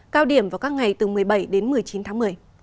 cao điểm vào các ngày từ một mươi bảy đến một mươi chín tháng một mươi